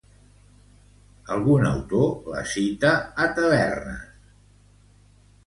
Algun autor la cita a Tabernas.